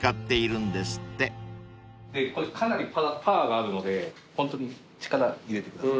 これかなりパワーがあるのでホントに力入れてください。